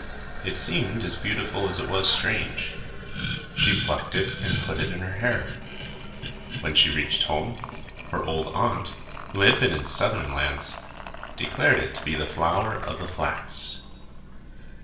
It seemed as beautiful as it was strange. She plucked it and put it in her hair. When she reached home, her old aunt, who had been in southern lands, declared it to be the flower of the flax.